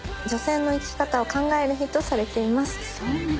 女性の生き方を考える日とされています。